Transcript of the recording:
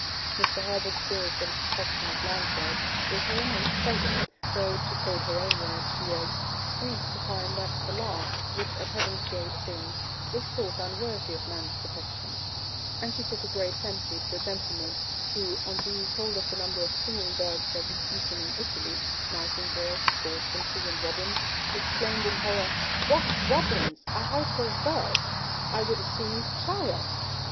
Mr. Herbert's Bill for the protection of land birds gave her immense pleasure, though, to quote her own words, she was 'grieved to find that "the lark, which at heaven's gate sings," is thought unworthy of man's protection'; and she took a great fancy to a gentleman who, on being told of the number of singing birds that is eaten in Italy nightingales, goldfinches, and robins exclaimed in horror, 'What! robins! our household birds! I would as soon eat a child!'